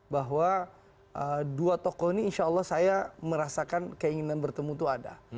bahwa dua tokoh ini insya allah saya merasakan keinginan bertemu itu ada